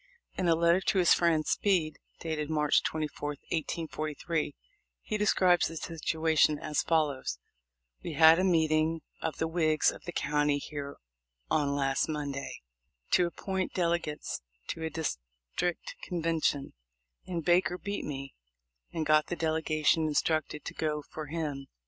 In a letter to his friend Speed, dated March 24, 1843, he describes the situation as follows: "We had a meeting of the Whigs of the county here on last Monday, to ap point delegates to a district convention ; and Baker beat me, and got the delegation instructed to go for him.